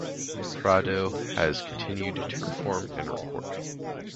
Prado has continued to perform and record.